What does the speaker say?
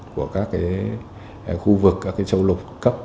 của các khu vực các châu lục cấp